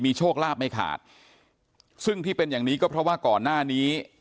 โชคลาภไม่ขาดซึ่งที่เป็นอย่างนี้ก็เพราะว่าก่อนหน้านี้